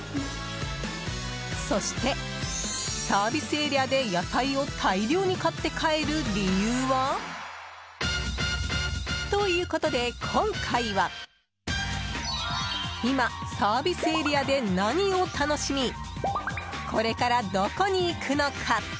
そして、サービスエリアで野菜を大量に買って帰る理由は？ということで、今回は今、サービスエリアで何を楽しみこれからどこに行くのか？